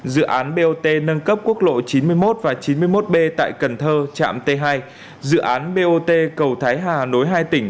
dự án bot nâng cấp quốc lộ chín mươi một và chín mươi một b tại cần thơ trạm t hai dự án bot cầu thái hà nối hai tỉnh